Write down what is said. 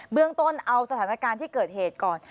เบื้องต้นเอาสถานการณ์ที่เกิดเหตุก่อน